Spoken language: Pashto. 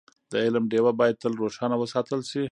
د علم ډېوه باید تل روښانه وساتل شي.